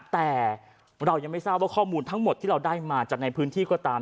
แต่เรายังไม่ทราบว่าข้อมูลทั้งหมดที่เราได้มาจากในพื้นที่ก็ตาม